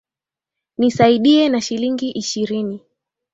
Nisaidie na shilingi ishirini